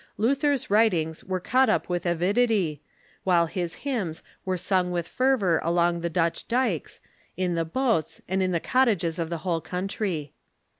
Luther's writings were caught up Avith avidity, while his hymns were sung with fervor along the Dutch dikes, in the boats, and in the cottages of the whole country.